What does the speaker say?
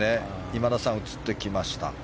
今田さん、映ってきました。